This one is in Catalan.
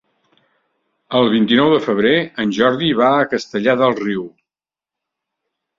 El vint-i-nou de febrer en Jordi va a Castellar del Riu.